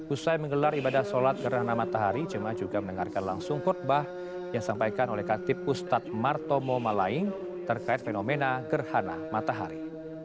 usai menggelar ibadah sholat gerhana matahari jemaah juga mendengarkan langsung khutbah yang disampaikan oleh katip ustadz martomo malaing terkait fenomena gerhana matahari